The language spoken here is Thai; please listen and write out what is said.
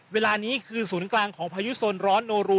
เวลานี้คือศูนย์กลางของพายุโซนร้อนโนรู